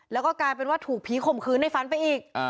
แล้วก็กลายเป็นว่าถูกผีข่มขืนในฝันไปอีก